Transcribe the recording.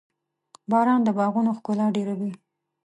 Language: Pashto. • باران د باغونو ښکلا ډېروي.